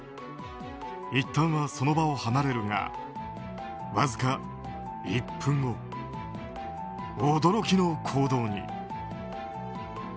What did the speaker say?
いったんはその場を離れるがわずか１分後、驚きの行動に。